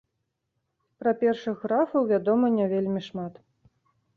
Пра першых графаў вядома не вельмі шмат.